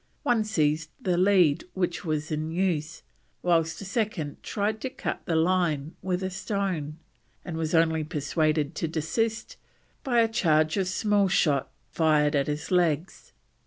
One seized the lead which was in use, whilst a second tried to cut the line with a stone, and was only persuaded to desist by a charge of small shot fired at his legs.